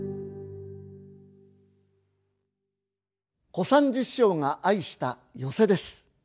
小三治師匠が愛した寄席です。